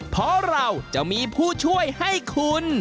เพราะเราจะมีผู้ช่วยให้คุณ